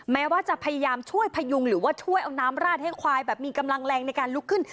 แม้ว่าจะพยายามช่วยพยุงหรือว่าช่วยเอาน้ำราดให้ควายแบบมีกำลังแรงในการลุกขึ้น